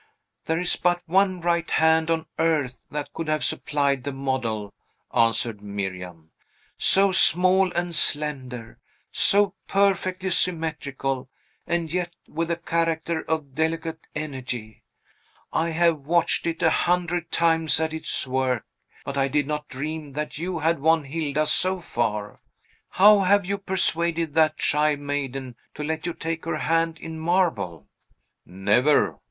"There is but one right hand on earth that could have supplied the model," answered Miriam; "so small and slender, so perfectly symmetrical, and yet with a character of delicate energy. I have watched it a hundred times at its work; but I did not dream that you had won Hilda so far! How have you persuaded that shy maiden to let you take her hand in marble?" "Never!